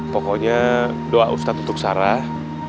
pokoknya doa ustadz untuk sarah